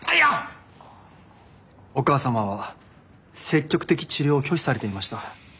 お母様は積極的治療を拒否されていました。